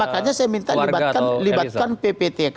makanya saya minta libatkan pptk